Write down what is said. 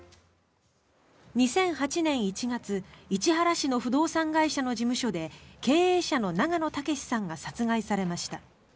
２００８年１月市原市の不動産会社の事務所で経営者の永野武さんが殺害されました。